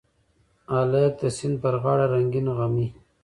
هلک د سیند پر غاړه رنګین غمي